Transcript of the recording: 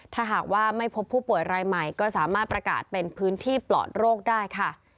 ถ้าหากว่าไม่พบผู้ป่วยรายใหม่ก็สามารถประกาศเป็นพื้นที่ปลอดโรคได้ค่ะ